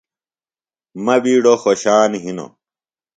مہ بِیڈوۡ خوشان ہِنوۡ۔